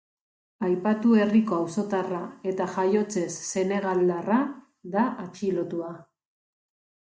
Aipatu herriko auzotarra eta jaiotzez senegaldarra da atxilotua.